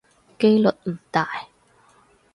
機率唔大